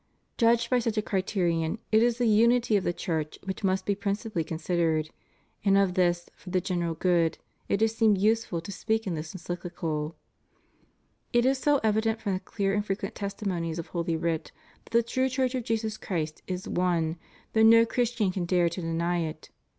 Judged by such a criterion it is the unity of the Church which must be prin cipally coasidered; and of this, for the general good, it has seemed useful to speak in this Encyclical. It is so evident from the clear and frequent testimonies of holy writ that the true Church of Jesus Christ is one, that no Christian can dare to deny it.